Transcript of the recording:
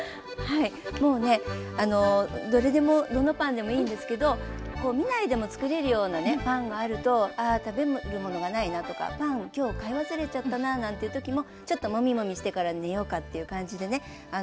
はいもうねどれでもどのパンでもいいんですけど見ないでも作れるようなねパンがあると「ああ食べるものがないな」とか「パンきょう買い忘れちゃったなぁ」なんていう時もちょっとモミモミしてから寝ようかっていう感じでね。